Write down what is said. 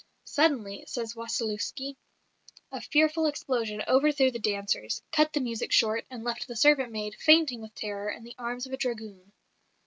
"Suddenly," says Waliszewski, "a fearful explosion overthrew the dancers, cut the music short, and left the servant maid, fainting with terror, in the arms of a dragoon."